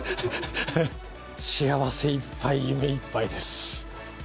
幸せいっぱい、夢いっぱいです。